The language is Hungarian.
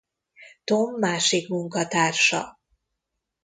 Tom másik munkatársa.